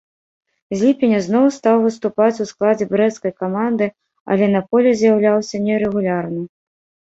З ліпеня зноў стаў выступаць у складзе брэсцкай каманды, але на полі з'яўляўся нерэгулярна.